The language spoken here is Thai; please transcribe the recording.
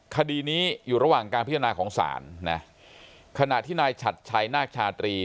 คดีนี้อยู่ระหว่างการพิจารณาของศาลนะขณะที่นายฉัดชัยนาคชาตรี